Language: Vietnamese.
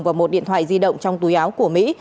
và một điện thoại di động trong túi áo của mỹ